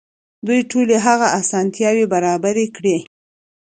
دوی ټولې هغه اسانتياوې برابرې کړې.